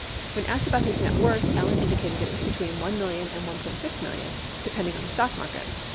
When asked about his net worth. Allen indicated it was between $1 million and $1.6 million, depending on the stock market.